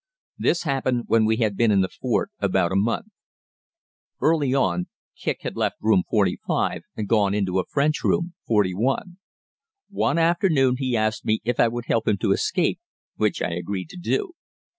This happened when we had been in the fort about a month. Early on Kicq had left Room 45 and gone into a French room, 41. One afternoon he asked me if I would help him to escape, which I agreed to do.